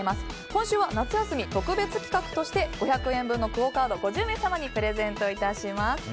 今週は夏休み特別企画として５００円のクオ・カード５０名様にプレゼントします。